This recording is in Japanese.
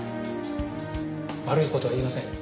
悪い事は言いません。